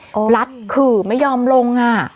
อุ้ยนี่ลัดขือไม่ยอมลงอ่ะ